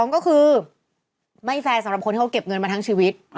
ก็คือไม่แฟร์สำหรับคนที่เขาเก็บเงินมาทั้งชีวิต